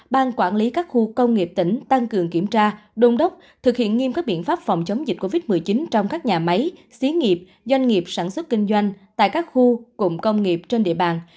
ban quản lý các khu công nghiệp tỉnh tăng cường kiểm tra đôn đốc thực hiện nghiêm các biện pháp phòng chống dịch covid một mươi chín trong các nhà máy xí nghiệp doanh nghiệp sản xuất kinh doanh tại các khu cụm công nghiệp trên địa bàn